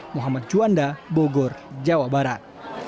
muhammad juanda bogor jawa barat